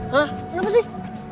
hah ini apa sih